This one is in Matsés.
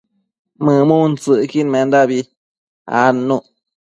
mëmuntsëcquidmendabi adnuc